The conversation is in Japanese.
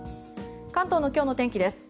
関東の今日の天気です。